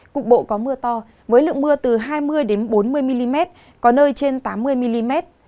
cục bộ có mưa to với lượng mưa từ hai mươi bốn mươi mm có nơi trên tám mươi mm